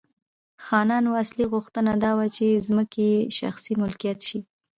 خانانو اصلي غوښتنه دا وه چې ځمکې یې شخصي ملکیت شي.